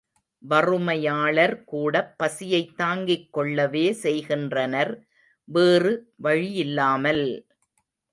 வறுமையாளர் கூடப் பசியை தாங்கிக் கொள்ளவே செய்கின்றனர், வேறு வழியில்லாமல்!